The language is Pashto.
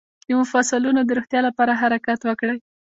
د مفصلونو د روغتیا لپاره حرکت وکړئ